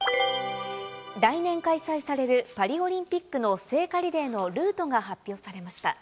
来年開催されるパリオリンピックの聖火リレーのルートが発表されました。